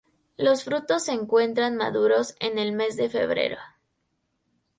Los frutos se encuentran maduros en el mes de febrero.